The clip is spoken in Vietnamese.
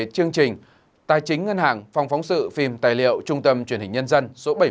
chương trình tài chính ngân hàng phòng phóng sự phim tài liệu trung tâm truyền hình nhân dân số bảy mươi tám